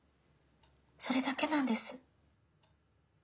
それだけなんです。